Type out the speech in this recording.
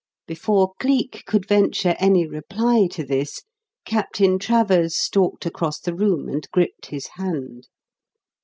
Before Cleek could venture any reply to this, Captain Travers stalked across the room and gripped his hand.